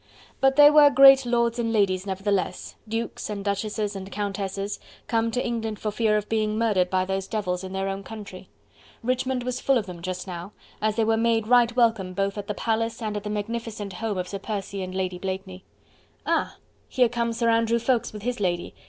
But they were great lords and ladies, nevertheless, Dukes and Duchesses and Countesses, come to England for fear of being murdered by those devils in their own country. Richmond was full of them just now, as they were made right welcome both at the Palace and at the magnificent home of Sir Percy and Lady Blakeney. Ah! here comes Sir Andrew Ffoulkes with his lady!